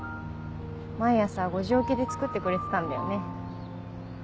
毎朝５時起きで作ってくれてたんだよね。